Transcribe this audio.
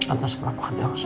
atas kelakuan elsa